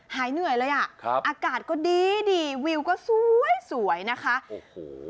หายเหนื่อยเลยอ่ะครับอากาศก็ดีดีวิวก็สวยสวยนะคะโอ้โห